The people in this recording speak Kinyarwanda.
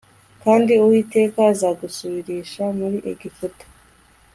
Kandi Uwiteka azagusubirisha muri Egiputa